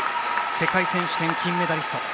世界選手権金メダリスト。